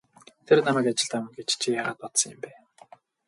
Тэр намайг ажилд авна гэж чи яагаад бодсон юм бэ?